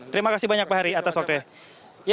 terima kasih banyak pak hari atas waktunya